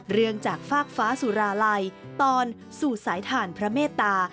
เรื่องจากฟากฟ้าสุราลัยตอนสู่สายถ่านพระเมตตา